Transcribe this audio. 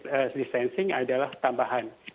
kontak tracing adalah tambahan